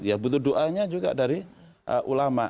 ya butuh doanya juga dari ulama